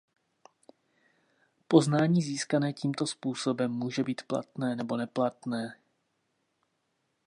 Poznání získané tímto způsobem může být platné nebo neplatné.